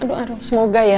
aduh aduh semoga ya